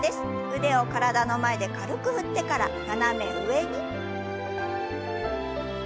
腕を体の前で軽く振ってから斜め上に。